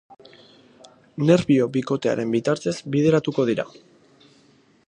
Nerbio bikotearen bitartez bideratuko dira.